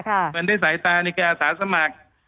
ประเมินด้วยสายตานิกาสาสมัคร